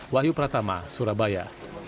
wahyu pratama surabaya